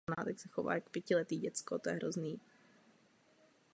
Zákonodárce ji však tímto způsobem nezamýšlel.